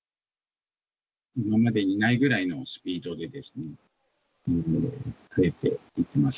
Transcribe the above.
今までにないぐらいのスピードで増えています。